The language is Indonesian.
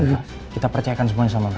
ya pak kita percayakan semuanya sama mereka